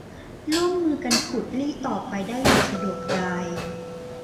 ร่วมมือกันขูดรีดต่อไปได้อย่างสะดวกดาย